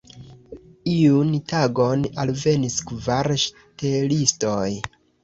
Iun tagon alvenis kvar ŝtelistoj.